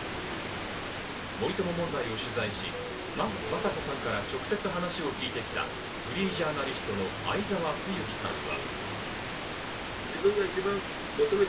森友問題を取材し、雅子さんから直接話を聞いてきたフリージャーナリストの相澤冬樹さんは。